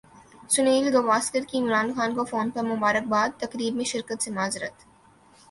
سنیل گواسکر کی عمران خان کو فون پر مبارکبادتقریب میں شرکت سے معذرت